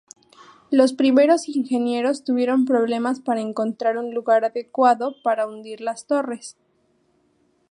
Los primeros ingenieros tuvieron problemas para encontrar un lugar adecuado para hundir las torres.